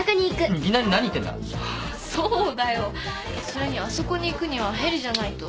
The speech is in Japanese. それにあそこに行くにはヘリじゃないと。